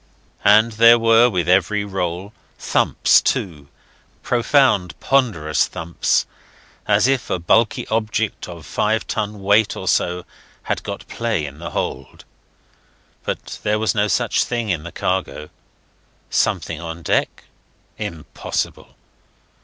And there were, with every roll, thumps, too profound, ponderous thumps, as if a bulky object of five ton weight or so had got play in the hold. But there was no such thing in the cargo. Something on deck? Impossible.